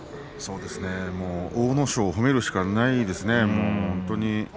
阿武咲を褒めるしかないですね、本当に。